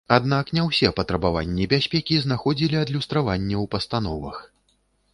Аднак не ўсе патрабаванні бяспекі знаходзілі адлюстраванне ў пастановах.